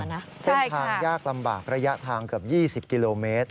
เส้นทางยากลำบากระยะทางเกือบ๒๐กิโลเมตร